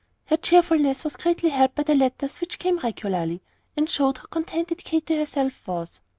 Her cheerfulness was greatly helped by the letters which came regularly, and showed how contented Katy herself was.